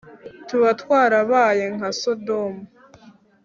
tuba twarabaye nka sodomu